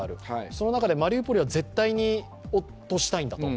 その中でマリウポリは絶対に落としたいんだと。